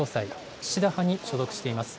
岸田派に所属しています。